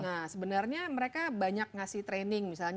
nah sebenarnya mereka banyak ngasih training misalnya